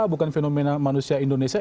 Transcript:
bukan fenomena manusia indonesia